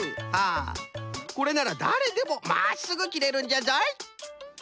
これならだれでもまっすぐ切れるんじゃぞい。